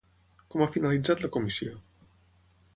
Com ha finalitzat la comissió?